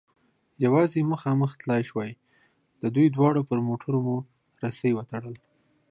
یوازې مخامخ تلای شوای، د دوی دواړو پر موټرو مو رسۍ و تړل.